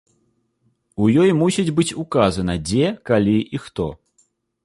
У ёй мусіць быць указана, дзе, калі і хто.